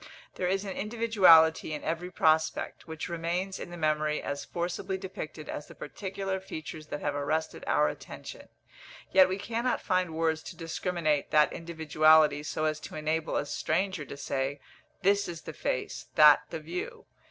There is an individuality in every prospect, which remains in the memory as forcibly depicted as the particular features that have arrested our attention; yet we cannot find words to discriminate that individuality so as to enable a stranger to say, this is the face, that the view.